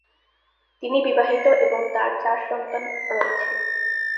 তিনি বিবাহিত এবং তাঁর চার সন্তান রয়েছে।